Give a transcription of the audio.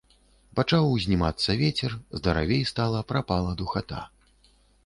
Пачаў узнімацца вецер, здаравей стала, прапала духата.